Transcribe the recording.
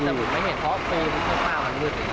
แต่ในโบราณไม่เห็นเพราะตาวมันมืด